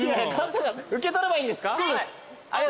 受け取ればいいんですか？